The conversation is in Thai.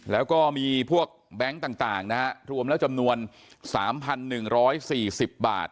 แล้วก็มีพวกแบงค์ต่างต่างนะฮะรวมแล้วจำนวนสามพันหนึ่งร้อยสี่สิบบาท